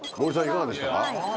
いかがでしたか？